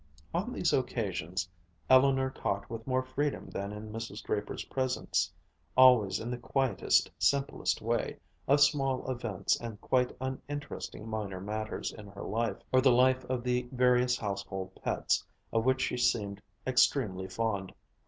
On these occasions, Eleanor talked with more freedom than in Mrs. Draper's presence, always in the quietest, simplest way, of small events and quite uninteresting minor matters in her life, or the life of the various household pets, of which she seemed extremely fond.